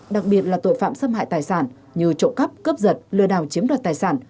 đặc biệt là tội phạm xâm hại tài sản như trộm cắp cướp giật lừa đảo chiếm đoạt tài sản